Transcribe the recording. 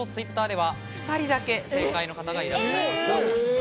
Ｔｗｉｔｔｅｒでは、２人だけ正解の方がいらっしゃいます。